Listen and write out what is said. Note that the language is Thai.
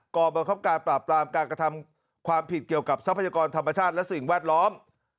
กรรมบังคับการปราบปรามการกระทำความผิดเกี่ยวกับทรัพยากรธรรมชาติและสิ่งแวดล้อม